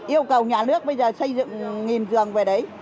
yêu cầu nhà nước bây giờ xây dựng nghìn giường về đấy